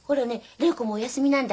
礼子もお休みなんだって。